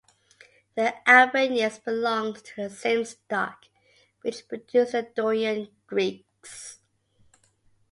The Albanians belonged to the same stock which produced the Dorian Greeks.